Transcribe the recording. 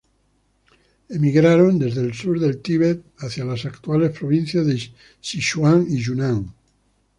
Emigraron desde el sur del Tíbet hacia las actuales provincias de Sichuan y Yunnan.